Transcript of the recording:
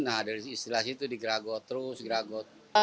nah dari istilah situ digeragot terus geragot